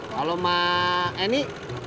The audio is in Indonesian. kalau ma eni